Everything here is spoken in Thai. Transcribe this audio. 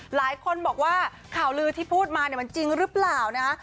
หลายคนบอกว่าข่าวลือที่พูดมาเนี่ยมันจริงหรือเปล่านะฮะ